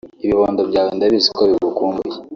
Ibibondo byawe ndabizi ko bigukumbuye